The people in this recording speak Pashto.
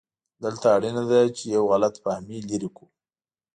دلته اړینه ده چې یو غلط فهمي لرې کړو.